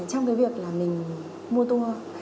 trong cái việc là mình mua tour